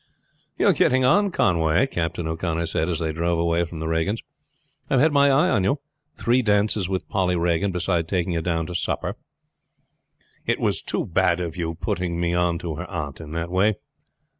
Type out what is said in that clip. "You are getting on, Conway," Captain O'Connor said as they drove away from the Regans. "I have had my eye upon you. Three dances with Polly Regan, beside taking her down to supper." "It was too bad of you putting me on to her aunt in that way."